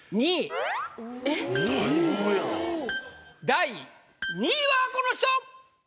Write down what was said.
第２位はこの人！